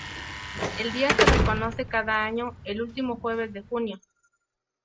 El día se reconoce cada año el último jueves de junio.